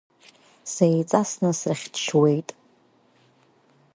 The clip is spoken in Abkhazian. Сеиҵасны срыхьҭшьуеит.